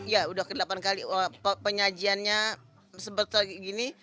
ya udah ke delapan kali penyajiannya sebetulnya gini